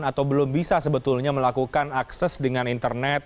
atau belum bisa sebetulnya melakukan akses dengan internet